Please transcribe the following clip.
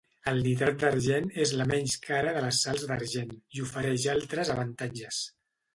El nitrat d'argent és la menys cara de les sals d'argent; i ofereix altres avantatges.